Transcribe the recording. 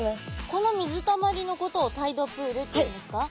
この水たまりのことをタイドプールっていうんですか？